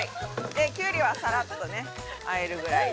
キュウリはさらっとね、あえるぐらいで。